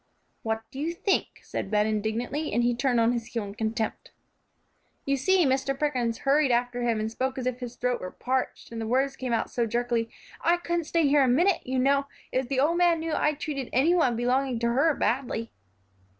"What do you think?" said Ben, indignantly, and he turned on his heel in contempt. "You see," Mr. Perkins hurried after him, and spoke as if his throat were parched, the words came out so jerkily, "I couldn't stay here a minute, you know, if the old man knew I'd treated any one belonging to her badly."